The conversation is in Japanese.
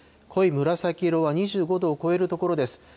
濃い紫色は２５度を超える所です。